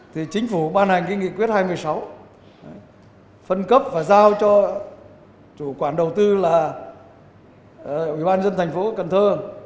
thì chính phủ ban hành cái nghị quyết hai mươi sáu phân cấp và giao cho chủ quản đầu tư là ủy ban dân thành phố cần thơ